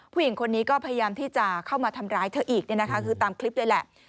ผู้หญิงคนนี้ก็พยายามที่จะเข้ามาทำร้ายเธออีกคือตามคลิปเลยแหละ